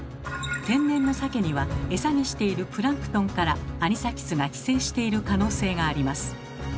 天然の鮭にはエサにしているプランクトンからアニサキスが寄生している可能性があります。